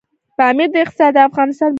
پامیر د افغانستان د اقتصاد برخه ده.